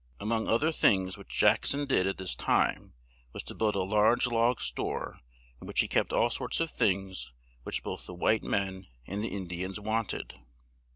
A mong oth er things which Jack son did at this time was to build a large log store in which he kept all sorts of things which both the white men and the In di ans want ed.